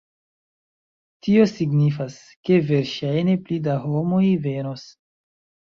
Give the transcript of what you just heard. Tio signifas, ke verŝajne pli da homoj venos